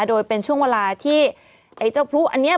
โดยเป็นช่วงเวลาที่ไอ้เจ้าพลุอันนี้